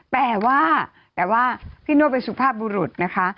แต่ว่าแต่ว่าพี่นวดเป็นสุภาพบุรุษนะคะ